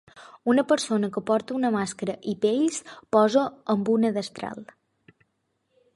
Una persona que porta una màscara i pells posa amb una destral.